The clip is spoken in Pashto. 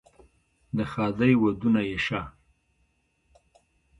د ښادۍ ودونه یې شه،